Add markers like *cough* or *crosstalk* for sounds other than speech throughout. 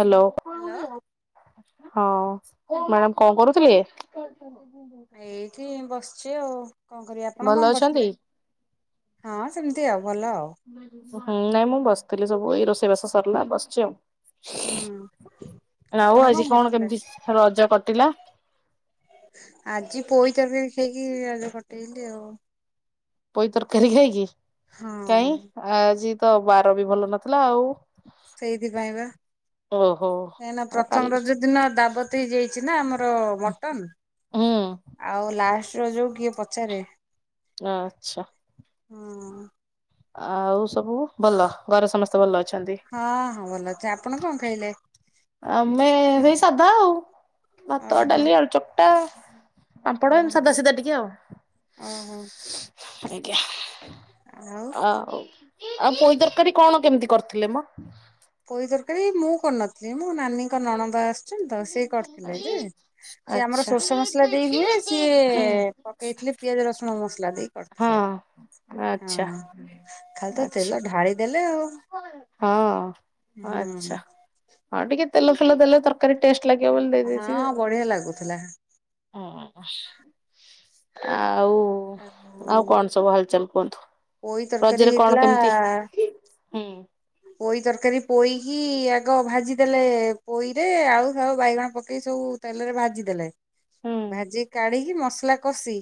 Hello. Hello. ହଁ madam କଣ କରୁଥିଲେ? ଏଇଠି ବସିଛି ଆଉ କଣ କରିବି ଆପଣ ଭଲ କଣ ଅଛନ୍ତି? କରୁଥିଲେ? ହଁ ସେମିତି ଆଉ ଭଲ ଆଉ। ହୁଁ ନାଇଁ ମୁଁ ବସିଥିଲି ସବୁ ଏଇ ରୋଷେଇବାସ ସରିଲା ବସିଛି ହୁଁ ଆଉ। ଆଉ ଆପଣ ଆଜି କଣ କରୁଥିଲେ? କେମିତି ରଜ କଟିଲା? ଆଜି ପୋଇ ତରକାରି ଖାଇକି ରଜ କଟେଇଲି ଆଉ। ପୋଇ ତରକାରୀ ଖାଇକି ହଁ। କାଇଁ ଆଜି ତ ବାର ବି ଭଲ ନଥିଲା ଆଉ। ସେଇଥିପାଇଁ ପା। ଓହୋ। କାହିଁନା ଆଉ କାଲି ପ୍ରଥମ ରଜ ଦିନ ଦାବତ ହେଇଯାଇଛି ନା ଆମର ମଟନ। ହୁଁ। ଆଉ ଲାଷ୍ଟ ରଜକୁ କିଏ ପଚାରେ। ଆଚ୍ଛା। ହୁଁ। ଆଉ ସବୁ ଭଲ ଘରେ ସମସ୍ତେ ଭଲ ଅଛନ୍ତି? ହଁ ହଁ ଭଲ ଅଛି ଆପଣ କଣ ଖାଇଲେ? ଆମେ ସେଇ ସାଧା ଆଉ ଭାତ, ଓହୋ ଡାଲି, ଆଳୁ ଚକଟା। ପାମ୍ପଡ ଏମତୀ ଓହୋ ସାଧା ସିଧା ଟିକେ ଆଉ ଓହୋ ଆଜ୍ଞା। ଆଉ ଆଉ ଆଉ ପୋଇ ତରକାରୀ କଣ କେମିତି କରିଥିଲେ ମ? ପୋଇ ତରକାରୀ ମୁଁ କରି ନଥିଲି ମୋ ନାନୀଙ୍କ ନଣନ୍ଦ ଆସ୍ ତ ସେଇ କରିଥିଲେ ଯେ ସିଏ ଆମର ସୋର୍ଷ ମସଲା ଦେଇ ହୁଏ ସିଏ। ଦେଇଥିଲେ ପିଆଜ, ରସୁଣ ମସଲା। କରିଥିଲେ ହଁ ଆଚ୍ଛା ହଁ ଖାଲି ତ ଆଚ୍ଛା ତେଲ ଢାଳି ଦେଲେ ଆଉ। ହଁ ଆଚ୍ଛା ହୁଁ। ଆଉ ଟିକେ ତେଲ ଫେଲ ଦେଲେ ତର ଟେଷ୍ଟ ଲାଗିବ ବୋଲି ଦେଇ ଦେଇଥିବେ ହଁ ଆଉ। ବଢିଆ ଲାଗୁଥିଲା ହଁ ଆଉ ଆଉ କଣ ସବୁ ହାଲଚାଲ କୁହନ୍ତୁ? ପୋଇ ତରକାରୀ ରଜରେ କଣ ହେଇଥିଲା। କେମିତି ହୁଁ ପୋଇ ତରକାରୀ ପୋଇକି ଆଗ ଭାଜିଦେଲେ ପୋଇରେ ଆଳୁ, ସାରୁ, ବାଇଗଣ ପକେଇକି ସବୁ। ତେଲରେ ଭାଜି ଦେଲେ ହୁଁ ଭାଜି କାଢିକି ମସଲା କଷି।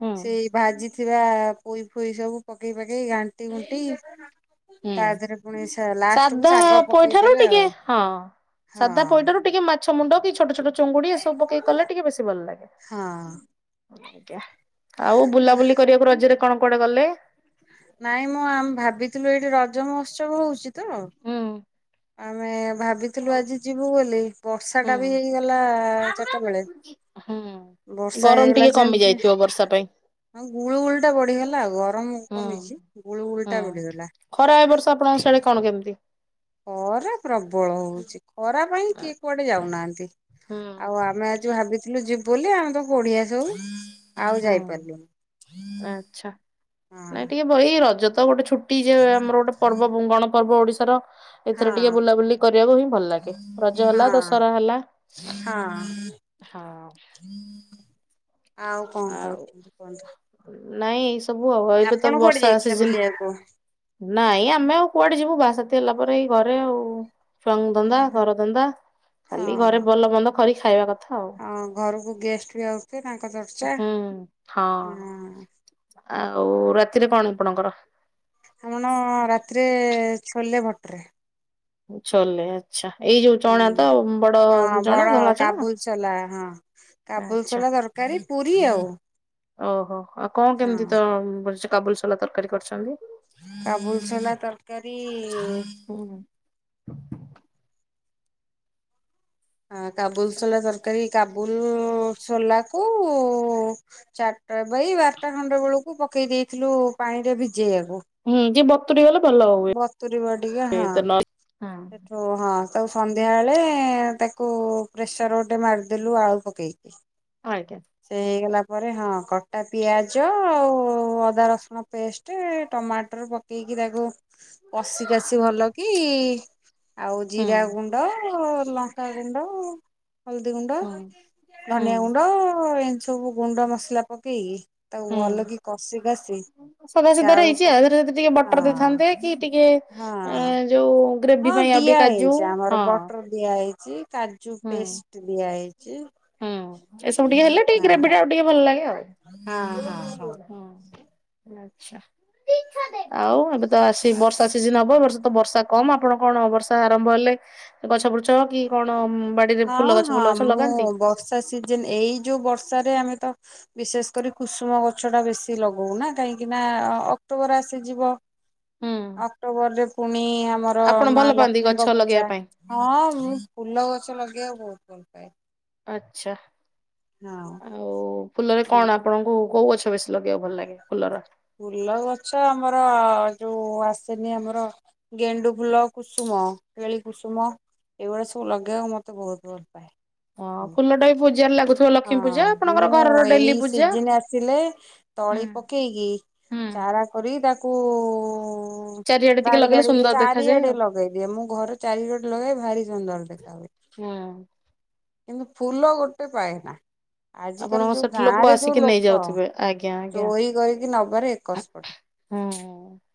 ହୁଁ ସେଇ ଭାଜିଥିବା ପୋଇ ଫୋଇ ସବୁ ପକେଇ ପାକେଇ ଘାଣ୍ଟି ଉୁଣ୍ଟି ତା ହୁଁ ଦେହରେ ପୁଣି ଲାଷ୍ଟ କୁ ସାଧା ଶାଗ ପୋଇଠାରୁ ପକେଇଦେଲେ ଟିକେ ଆଉ ହଁ ହଁ ସାଧା ପୋଇଠାରୁ ଟିକେ ମାଛ ମୁଣ୍ଡ କି ଛୋଟ ଛୋଟ ଚୁଙ୍ଗୁଡି ଏସବୁ ପକେଇ କଲେ ଟିକେ ବେଶୀ ଭଲ ଲାଗେ। ହଁ। ଆଜ୍ଞା ଆଉ ବୁଲାବୁଲି କରିବାକୁ ରଜରେ କଣ କୁଆଡେ ଗଲେ? ନାଇଁ ମୁଁ ଆମେ ଭାବିଥିଲୁ ଏଇଠି ରଜ ମହୋତ୍ସବ ହଉଛି ତ। ହୁଁ ଆମେ ଭାବିଥିଲୁ ଆଜି ଯିବୁ ବୋଲି ବର୍ଷା ଟା ହୁଁ। ବି ହେଇଗଲା ଚାରଟା ବେଳେ। ହୁଁ ବର୍ଷା ଗରମ ହେଇଗଲା ଟିକେ କମି ଯେମିତି ଯାଇଥିବ ବର୍ଷା ପାଇଁ ହଁ ଗୁଳୁ ଗୁଳଟା ବଢିଗଲା ଆଉ ଗରମ ହୁଁ କମିଛି ଗୁଳୁ ହୁଁ। ଗୁଳଟା ବଢିଗଲା। ଖରା ଏ ବର୍ଷ ଆପଣଙ୍କ ଶିଆଡେ କଣ କେମିତି? ଖରା ପ୍ରବଳ ହଉଛି ଖରା ପାଇଁ କିଏ କୁଆଡେ ଯାଉନାହାନ୍ତି ହୁଁ ଆଉ ଆମେ ଆଜି ଭାବିଥିଲୁ ଯିବୁ ବୋଲି ଆମେ ତ କୋଡ଼ିଆ ସବୁ। ହୁଁ ଆଉ ଆଚ୍ଛା। ଯାଇପାରିଲୁନୁ ନାଇଁ ହୁଁ। ଟିକେ ଏଇ ରଜ ତ ଗୋଟେ ଛୁଟି ଯେ ଆମର ଗୋଟେ ପର୍ବ ଗଣ ପର୍ବ ଓଡିଶାର। ଏଥିରେ ଟିକେ ହଁ ବୁଲାବୁଲି କରିବାକୁ ହିଁ ଭଲ ଲାଗେ ରଜ ହେଲା ହଁ ଦଶରା ହେଲା। ହଁ। ହଉ। ଆଉ କଣ ଆଉ କରୁଛନ୍ତି କୁହନ୍ତୁ? ନାଇଁ ଏଇ ସବୁ ଆଉ ଏବେ ତ ଆପଣ କୁଆଡେ ବର୍ଷା ଯାଇଥିଲେ ବୁଲିବାକୁ ସିଜିନି। ନାଇଁ ଆମେ ଆଉ କୁଆଡେ ଯିବୁ ବାସାଥି ହେଲା ପରେ ଏଇ ଘରେ ଆଉ। ଛୁଆଙ୍ଗ ଧନ୍ଦା ହଁ ଘରଧନ୍ଦା ଖାଲି ଘରେ ଭଲ ମନ୍ଦ କରିିକ ଖାଇବା କଥା ଆଉ। ହଁ ଘରକୁ ଗେଷ୍ଟ ବି ଆଉଥିବେ ତାଙ୍କ ଚର୍ଚ୍ଚା ହୁଁ ହଁ। ଆଉ ରାତିରେ କଣ ଆପଣଙ୍କର? ଆମଣ ରାତିରେ ଛୋଲେ ଭଟରେ। ଛୋଲେ ଆଛା ଏଇ ଯୋଉ ଚଣା ହୁଁ ତ ବଡ ହଁ ଚଣା ବଡ ଧଳା ଚଣା କାବୁଲ ଆଛା। କରେ ପୁରୀ ଆଉ। ଓହୋ ଆଉ କଣ କେମିତି ହଁ ତ କାବୁଲସଲା ତରକାରୀ କରିଛନ୍ତି? କାବୁଲସୋଲା ତରକାରୀ। ହୁଁ। ହଁ କାବୁଲ ସୋଲା ତରକାରୀ କାବୁଲ ସୋଲା କୁ ଚାରିଟା ବାଇ ବାରଟା ଖଣ୍ଡେ ବେଳକୁ ପକେଇ ଦେଇଥିଲୁ ପାଣିରେ ଭିଜେଇବାକୁ। ହୁଁ ଯିଏ ବତୁରି ଗଲେ ଭଲ ବତୁରିବ ଟିକେ ହୁଏ ହଁ ନହଲେ ସେଠୁ ହଁ ତା ସନ୍ଧ୍ୟା ବଳେ ତାକୁ ପ୍ରେସର ଗୋଟେ ମାରିଦେଲୁ ଆଳୁ ପକେଇକି। ହ ଆଜ୍ଞା। ସେ ହେଇଗଲା ପରେ ହଁ କଟା ପିଆଜ ଆଉ ଅଦା ରସୁଣ ପେଷ୍ଟ ଟେ ଟମାଟର ପକେଇକି ତାକୁ କଷି କାସିି ଭଲ କି ଆଉ ହୁଁ ଜିରା ଗୁଣ୍ଡ ଲଙ୍କା ଗୁଣ୍ଡ ହଳଦୀ ଗୁଣ୍ଡ। ହୁଁ ହୁଁ ଧନିଆ ଗୁଣ୍ଡ ଏମିତି ସବୁ ଗୁଣ୍ଡ ମସଲା ପକେଇକି ତାକୁ ଭଲ ହୁଁ କି କଷି କସି ସାଧା ସିଧାରେ ଚାଳୁ ହେଇଛି ଆଉ ହଁ। ଏଥିରେ ଯଦି ଟିକେ ବଟର ଦେଇଥାନ୍ତେ କି ଟିକେ ହଁ ଯୋଉ ଗ୍ରେଭି ପାଇଁ ଆଉ ଟିକେ କାଜୁ ହଁ। ଦିଆହେଇଛି କାଜୁ ପେଷ୍ଟ ଦିଆ ହେଇଛି। ହଁ ଏସବୁ ଟିକେ ହେଲେ ଟିକେ ହଁ ଗ୍ରରେଭି ଟା ଆଉ ଟିକେ ଭଲ ଲାଗେ ଆଉ। ହଁ ହଁ ହଁ। ହଁଛା ଆଉ ଏବେ ତ ଆ ବର୍ଷା ସିଜନ ହବ ବର୍ଷା। ବର୍ଷା କମ ଆପଣ କଣ ବର୍ଷା ଆରମ୍ଭ ହେଲେ ଗଛ ଫୁଛ କି କଣ ବାଡିରେ ଫୁଲ ଗଛ ଫୁଲ ଗଛ ଲଗାନ୍ତି। ସିଜେନ ଏଇ ଯୋଉ ବର୍ଷାରେ ଆମେ ତ ବିଶେଷ କରି କୁସୁମ ଗଛ ଟା ବେଶୀ ଲଗଉନା କାହିଁକି ନା ଅକ୍ଟୋବର ଆସି ଯିବ। ହୁଁ। ଅକ୍ଟୋବରରେ ପୁଣି ଆମର ଆପଣ ମା ଭଲ ପାଆନ୍ତି ଗଛ ଲକ୍ଷ୍ମୀଙ୍କ ପୂଜା। ଲଗେଇବା ପାଇଁ? ହଁ ମୁ ଫୁଲ ଗଛ ଲଗେଇବା ବହୁତ ଭଲ ପାଏ। ଆଛା ଆଉ ଫୁଲରେ ହଁ କଣ? ଆପଣଙ୍କୁ କୋଉ ଗଛ ବେଶୀ ଲଗେଇବାକୁ ଭଲ ଲାଗେ ଫୁଲର? ଫୁଲ ଗଛ ଆମର ଯୋଉ ଆସେନି ଆମର ଗେଣ୍ଡୁ ଫୁଲ କୁସୁମ ଳି କୁସୁମ ଏଇଭଳିଆ ସବୁ ଲଗେଇବାକୁ ମତେ ବହୁତ ଭଲ ପାଏ। ହଁ ହୁଁ ଫୁଲଟା ବି ପୂଜାରେ ଲାଗୁଥିବ ଲକ୍ଷ୍ମୀ ପୂଜା ହଁ ମୁଁ ଆପଣଙ୍କର ଘରର ଏଇ ଡେଲି ପୂଜା। ସିଜିନ୍ ଆସିଲେ ହୁଁ। ତଳି ପକେଇକି ହୁଁ ଚାରା କରି ତାକୁ ହଁ। ଚାରିଆଡେ ଟିକେ ଧାଡି ଲଗେଇଲେ ଧାଡି ସୁନ୍ଦର ଦେଖାଯାଏ ଚାରିଆଡେ ଆଉ। ଲଗେଇଦିଏ ମୁଁ ଘର ଚାରିଆଡେ ଲଗେଇ ଭାରି ସୁନ୍ଦର ଦେଖା ହୁଏ। ହଁ। କିନ୍ତୁ ଫୁଲ ଗୋଟେ ପାଏ ନା। ଆଜିକାଲି ଆପଣଙ୍କ ଯୋଉ ସେଠି ଲୋକ ଗାଁରେ ଯୋଉ ଆସିକି ଲୋକ ନେଇଯାଉଥିବେ ଆଜ୍ଞା ଆଜ୍ଞା ଚୋରି କରକି ନବାରେ ଏକସ୍ପଟ। ହଁ।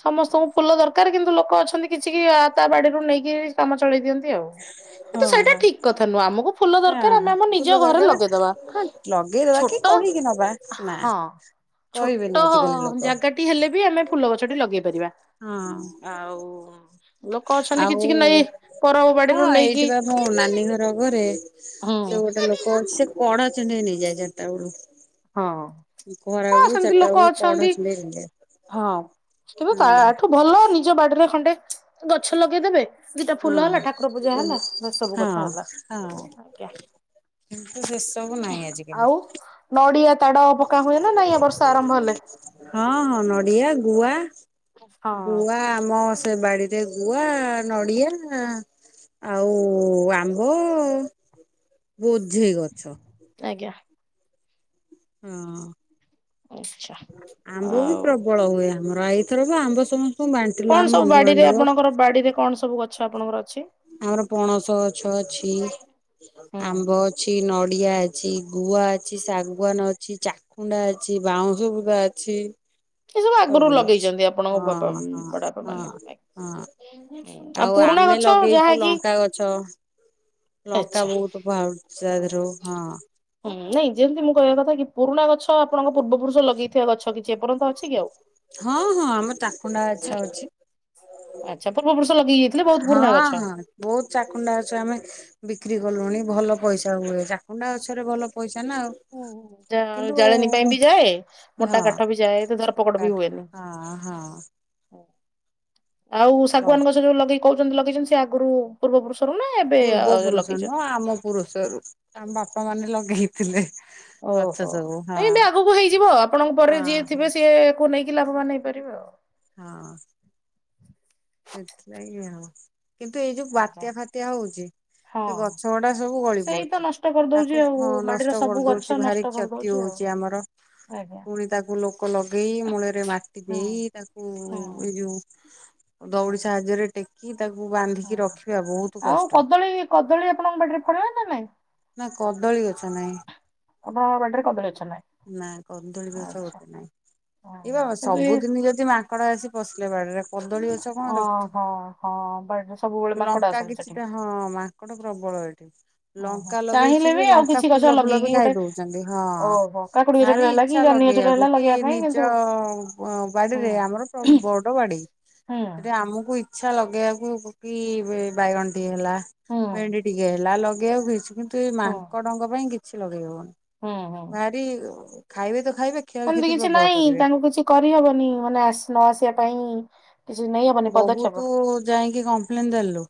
ସମସ୍ତଙ୍କୁ ଫୁଲ ଦରକାର କିନ୍ତୁ ଲୋକ ଅଛନ୍ତି କିଛି କି ତା ବାଡିରୁ ନେଇକି କାମ ଚଳେଇ ଦିଅନ୍ତି। ହଁ କିନ୍ତୁ ସେଇଟା ଠିକ କଥା ନୁହଁ ଆମକୁ ଫୁଲ ଦରକାର ଆମେ ଆଚ୍ଛା ଆମ ଫୁଲ ନିଜ ଘରେ ଦରକାର ଲଗେଇଦବା। ହଁ ଲଗେଇଦବା କି ଛୋଟ କହିକି ନବା ନା। ହଁ ଛୋଟ କହିବେନି ଆଜିକାଲି ଲୋକ ଜାଗାଟି ହେଲେ ବି ଆମେ ଫୁଲ ଗଛ ଲଗେଇ ପାରିବା। ହଁ। ଆଉ ଲୋକ ଅଛନ୍ତି ଆଉ କିଛି କି ନେଇ ପରବ ହଁ ବାଡିରୁୁ ଏଇଠି ନେଇକି ବା ମୋ ନାନୀ ଘର ଘରେ ହୁଁ ସେ ଗୋଟେ ଲୋକ ସେ କଡ ଚିଣ୍ଡିେଇ ନେଇଯାଏ ଚାରିଟା ବେଳୁ ହଁ ଖରା ହଁ ବେଳୁ ସେମିତି ଚାରିଟା ଲୋକ ବେଳୁ କଢ ଅଛନ୍ତି ଚୁଣ୍ଡେଇ ନେଇଯାଏ। ହଁ କିବେ ତା ଆଠୁ ଭଲ ନିଜ ବାଡିରେ ଖଣ୍ଡେ ଗଛ ଲଗେଇଦେବେ ଦିଟା ହଁ ଫୁଲ ହେଲା ଠାକୁର ପୂଜା ହେଲା ନା ସବୁ କଥା ହଁ ହେଲା ଆଜ୍ଞା କିୁ ସେ ସବୁ ନାହିଁ ଆଜିକାଲି ନଡ଼ିଆ ତାଡ଼ ପକା ହୁଏ ନା ନାଇଁ ବର୍ଷା ଆରମ୍ଭ ହେଲେ ହଁ ହଁ ନଡିଆ ଗୁଆ ହଁ ଗୁଆ ଆମ ସେ ବାଡିରେ ଗୁଆ ନଡିଆ ଆଉ ଆମ୍ବ ବୋଝେଇ ଗଛ ଆଜ୍ଞା ହଁ ଆଚଛା ଆମ୍ବ ବି ପ୍ରବଳ ହୁଏ ଆମର ଏଇଥର ଆମ୍ବ ସମସ୍ତଙ୍କୁ ବାଣ୍ଟିଲୁ କଣ ଆମ ସବୁ ବାଡିରେ ବନ୍ଧୁବାନ୍ଧବ ଆପଣଙ୍କର ବାଡିରେ କଣ ସବୁ ଗଛ ଆପଣଙ୍କର ଅଛି ଆମର ପଣସ ଗଛ ଅଛି ହୁଁ ଆମ୍ବ ଅ ଅଛି ନଡିଆ ଅଛି ଗୁଆ ଅଛି ଶାଗୁଆାନ ଅଛି ଚା କୁଣ୍ଡା ଅଛି ବାଉଁଶ ବୁିକା ଅଛି ସେ ସବୁ ଆଗରୁ ଅଛି। ଲଗେଇଛନ୍ତି ଆପଣଙ୍କ ହଁ ବାପା ହଁ ବଡା ବାପା ହଁ ମାନେ ହଁ ଆଉ ପୁରୁଣା ଆମେ ଗଛ ଲଗେଇଛୁ ଯାହାକି ଲଙ୍କା ଗଛ। ଲଙ୍କା ଆଚ୍ଛା ବହୁତ ବାହଛି ତା ଦେହରୁ ହଁ ହୁଁ ନାଇଁ ଯେମିତି ମୁଁ କହିବା କଥା କି ପୁରୁଣା ଗଛ ଆପଣଙ୍କ ପୂର୍ବପୁରୁଷ ଲଗେଇଥିବା ଗଛ କିଛି ଏପର୍ଯ୍ୟନ୍ତ ଅଛି ସେିକଉ ହଁ ହଁ ଆମର ତାକୁଣ୍ଡା ଗଛ ଅଛି ଆଚ୍ଛା ପୂର୍ବର୍ଷ ଲଗେଇ ଯାଇଥିଲେ ବହୁତ ପୁରୁଣା ହଁ ଗଛ ହଁ ବହୁତ ଚାକୁଣ୍ଡା ଅଛ ଆମେ ବିକ୍ରି କଲୁଣି ଭଲ ପଇସା ହୁଏ ଣ୍ଡା ଗଛରେ ଭଲ ପଇସା ନା ଆଉ ହୁଁ କିନ୍ତୁ ଜାଳଣୀ ପାଇଁ ହଁ ବି ଯାଏ ମୋଟା କାଠା ବି ଯଏ ତ ଧରପକଡ ବି କାଠ ହଏନ ହଁ ଆଉ ହଁ ଶାଗୁଆାନ ଗଛ ଯୋଉ ଲଗେଇ କହୁଛନ୍ତି ଲଗେଇଛନ୍ତି ସେ ଆଗରୁ ପୂର୍ବ ପୁରୁଷରୁ ନା ଏବେ ପୂର୍ବ ପୁରୁଷ ଲଗେଇଛ ନୁହଁ ଆମ ପୁରୁଷରୁ ଆମ ବାପା ମାନେ ଲଗେଇ ଥିଲେ ଓହୋ ନାଇଁ ଏ ଆଗକୁ ହେଇଯିବ ଆପଣଙ୍କ ପରେ ହଁ ଯିଏ ହଁ ଥିବେ ସିଏ ନେଇକି କି ଲାଭବାନ ହେଇପାରିବ ଆଉ ହଁ ସେଥିଲାଗି ଆଉ କିନ୍ତୁ ଏଇ ଯୋଉ ଆଜ୍ଞା। ବାତ୍ୟା ଫାତଆ ହଉଛି ସେ ହଁ ଗଛ ଗୁଡା ସବୁ ଗଳି ସେଇ ତ ପଡୁଛି ନଷ୍ଟ କରିଦଉଛି ତାକୁ ଆଉ ହଁ ବାଡିର ନଷ୍ଟ ସବୁ ଗଛ କରିଦଉଛି ନଷ୍ଟ ଭାରି କ୍ଷତି କରିଦଉଛି ଆଉ। ହଉଛି ଆମର ଆଜ୍ଞା ପୁଣି ତାକୁ ଲୋକ ଲଗେଇ ମୂଳରେ ମାଟି ହୁଁ ଦେଇ ତାକୁ ହୁଁ ଏଇ ଯୋଉ ହୁଁ। ଦଉଡ଼ି ସାହାଯ୍ୟରେ ଟେକି ତାକୁ ବାନ୍ଧିକି ହୁଁ। ରଖିବା ବହୁତ ଆଉ କଷ୍ଟ କଦଳୀ କଦଳୀ ଆପଣଙ୍କ ପାଟରେ ଫଳିବ ନା ନାଇଁ ନା କଦଳୀ ଗଛ ନହିଁ ଆପଣଙ୍କ ବାଡିରେ କଦଳୀ ଗଛ ନାହିଁ? ନାଇ କନ୍ଦଳ ବଷ ଆଚ୍ଛା ହୋତେ ନାଇଁ ହଁ। ଏ କିନ୍ତୁ ଏ ସବୁଦିନ ଯଦି ମା କକା ଆସି ପଶିଲେ ବାଡିରେ କଦଳୀ ଗଛ କଣ ଓହୋ ହଁ ବାଡିରେ ସବୁବେଳେ ରଖିବି ମାଙ୍କଡ ଲଙ୍କା ଆସନ୍ତି ସେଠି? କିଛିଟା ହଁ ମାଙ୍କଡ ପ୍ରବଳ ଏଠି। ଓହୋ ଲଙ୍କା ଲଗେଇଛି ଚାହିଁଲେ ବି ଯେ ଆଉ ଲଙ୍କା କିଛି ଗଛ ଫୁଲ ଫୁଲ ଲଗେଇକି ବି ଗୋଟେ ଖାଇ ଦଉଛନ୍ତି ହଁ ଓହୋ କାକୁଡି ଗଛଟେ ଭାରି ହେଲା କି ଇଚଛା ଜହ୍ନି ଗଛଟେ ଲଗେଇବାକୁ ହେଲା କି ଲଗେଇବା ପାଇଁ କିନ୍ତୁ ନିଜ ହୁଁ ବାଡିରେ ଆମର ବଡ ବାଡି। ହୁଁ ରେ ଆମକୁ ଇଛା ଲଗେଇବାକୁ କୋବି ବି ବାଇଗଣ ଟିକେ ହେଲା ହୁଁ ଭେଣ୍ଡି ଟିକେ ହେଲା ଲଗେଇବାକୁ ଇ କିନ୍ତୁ ଏଇ ହୁଁ ମାଙ୍କଡଙ୍କ ପାଇଁ କିଛି ଲଗେଇ ହବନି ହୁଁ ଭାରି ଖାଇବେ ତ ଖାଇବେ ଏମତି କ୍ଷୟକ୍ଷତି କିଛି ପ୍ରବଳ ନାଇଁ କରିବେ। ତାଙ୍କୁ କିଛି କରିହବନି ମାନେ ନ ଆସିବା ପାଇଁ କିଛି ନେଇହବ ବହୁତ ଯାଇକି କମ୍ପ୍ଲେନ ଦେଲୁ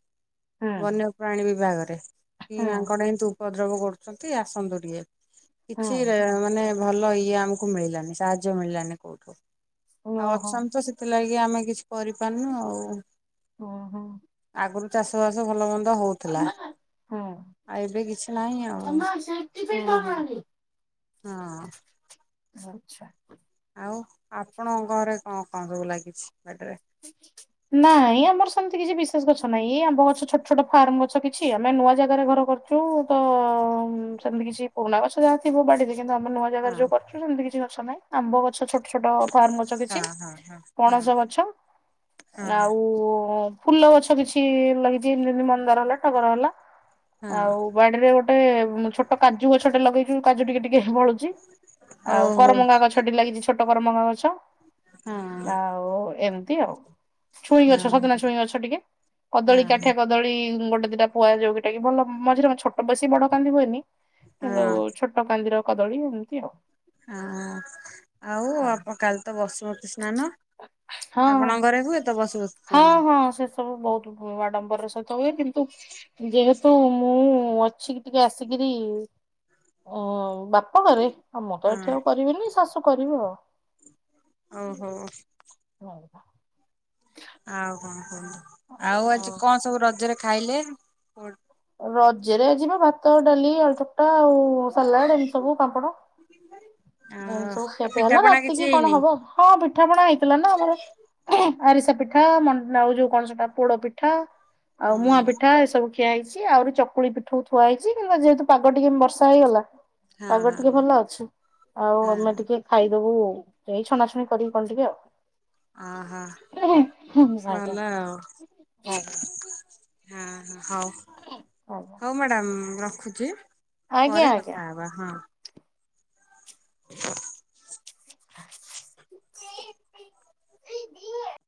ହୁଁ ବନ୍ୟ ପ୍ରାଣୀ ବିଭାଗରେ କି ହୁଁ ମାଙ୍କଡ ଏନ୍ତୁ ଉପଦ୍ରବ କରୁଛନ୍ତି ଆସନ୍ତୁ ଟିକେ। ହୁଁ କିଛି ରେ ମାନେ ଭଲ ଇଏ ଆମକୁ ମିଳିଲାନି ସାହାଯ୍ୟ ମିଳିଲାନି କୋଉଠୁ। ଆଉ ଓହୋ ଅଛନ୍ତି ତ ସେଥିଲାଗି ଆମେ କିଛି କରିପାରୁନୁ ଆଉ। ଓହୋ। ଆଗରୁ ଚାଷ ବାସ ଭଲ ମନ୍ଦ ହଉ ଥିଲା। ହୁଁ ଆଉ ଏବେ କିଛି ନାହିଁ ଆଉ। ଆଚ୍ଛା ହଁ। ଆଛା। ଆଉ ଆପଣଙ୍କ ଘରେ କଣ କଣ ସବୁ ଲାଗିଛି ବାଡିରେ? *inaudible* ନାଇଁ ଆମର ସେମିତି କିଛି ବିଶେଷ ଗଛ ନାଇଁ ଆମ୍ବ ଗଛ ଛୋଟ ଛୋଟ ଫାର୍ମ ଗଛ କିଛି ଆମେ ନୂଆ ଜାଗାରେ ଘର କରୁଛୁ ଚୁ ତ ସେମିତି କିଛି ପୁରୁଣା ଗଛ ଯାହା ଥିବ ବାଡିରେ କିନ୍ତୁ ଆମେ ନୂଆ ଜାଗାରେ ହଁ ହଁ ଯୋଉ କରୁଛୁ ସେମତି କିଛି ଗଛ ନାହିଁ ଆମ୍ବ ଗଛ ଛୋ ଛୋଟ ଫାର୍ମ ଗଛ କିଛି ହଁ ପଣସ ହଁ ଗଛ ହଁ ଆଉ ଫୁଲ ଗଛ କିଛି ଲାଗିଛି ଲିଲି ମନ୍ଦାର ହେଲା ଟଗର ହେଲା ହଁ ଆଉ ବାଡିରେ ଗୋଟେ ଛୋଟ କାଜୁ ଗଛଟେ ଲଗେଇଛୁ କାଜୁ ଟିକେ ଟିକେ ବଳୁ ଚି ହଁ ଆଉ ଓହୋ କରମଙ୍ଗା ଗଛଟି ଲାଗିଛି ଛୋଟ କରମଙ୍ଗା ଗଛ। ହଁ ଆଉ ଏମିତି ଆଉ ଛୁଇଁ ଗଛ ସଜନା ହଁ ଛୁଇଁ ଗଛ ଟିକେ କଦଳୀ ହଁ କାଠିଆ କଦ୍ ଦଳୀ ଗୋଟେ ଦିଟା ପୁଆ ଯୋଉକି ଟାକି ଭଲ ମଝିରେେ ଛୋଟ ବେସୀ ବଡ କାନ୍ଦି ହୁଏନି କିନ୍ତୁ ହଁ। ଛୋଟ କାନ୍ଦିର କଦଳୀ ଏମତି ଆଉ। ହଁ ଆଉ କାଲି ତ ବସୁମତୀ ସ୍ନାନ। ହଁ ଆପଣଙ୍କ ଘରେ ହୁଏତ ବସୁମତୀ ହଁ ସ୍ନାନ। ହଁ ସେ ସବୁ ବହୁତ ବ ଆଡମ୍ବର ର ସହିତ ହୁଏ କିନ୍ତୁ ଯେହେତୁ ମୁଁ ଅଛି କି ଟିକେ ଆସିକିରି ଅ ବାପା କଣ କରେ ଆଉ ମୁଁ ତ ହଁ ଏଠି ଆଉ କରିବିନି ଶାଶୁ କରିବେ ଆଉ। ଓହୋ। ହୋଉ। *inaudible* ଆଉ କଣ କହନ୍ତୁ ଆଉ ଆଜି କଣ ସବୁ ରଜରେ ଖାଇଲେ? ରଜରେ ଯିବା ଭାତ ଡାଲି ଆଳୁଚକଟା ଆଉ ସାଲାଡ ଏମିତି ସବୁ ପାମ୍ପଡ। *unintelligible* ଏମିତି ସବୁ ଆଉ ଖିଆପିଆ ହେଲା ପିଠାପଣା କିଛି ରାତିକି କଣ ହେଇନି? ହବ ହଁ ପିଠାପଣା ହେଇଥିଲା ନା ଆମର ଆରିସା ପିଠା ମ ଆଉ ଯୋଉ କଣ ସେଟା ପୋଡ ପିଠା ଆଉ ହୁଁ ମୁଆଁ ପିଠା ଏସବୁ ଖିଆ ହେଇଛି ଆହୁରି ଚକୁଳି ପିଠଉ ଥୁଆ ହେଇଛି କି ଯେହେତୁ ପାଗ ଟିକେ ବର୍ଷା ହେଇଗଲା ହଁ ପାଗ ଟିକେ ଭଲ ଅଛି ହଁ ଆଉ ଆମେ ହଁ ଟିକେ ଖାଇଦୋବୁ ଏଇ ଛଣା ଛଣି କରିକି କଣ ଟିକେ ଆଉ। ଅହ ଆଜ୍ଞା ଭଲ ଆଜ୍ଞା ଆଉ। ହଁ ହଁ ହୋଉ। ଆଜ୍ଞା। ହୋଉ ମ୍ୟାଡାାମ ମୁଁ ରଖୁଛି ଆଜ୍ଞା ପରେ ଆଜ୍ଞା କଥା ହବା ହଁ। *inaudible* *unintelligible*